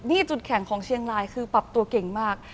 นี่จุดแข่งของเชียงรายคือปรับตัวเก่งมาก